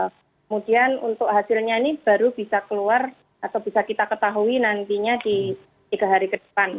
kemudian untuk hasilnya ini baru bisa keluar atau bisa kita ketahui nantinya di tiga hari ke depan